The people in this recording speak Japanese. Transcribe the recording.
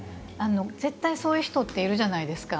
絶対そういう人っているじゃないですか。